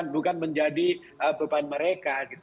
bukan menjadi beban mereka